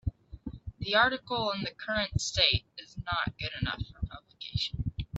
The article in the current state is not good enough for publication.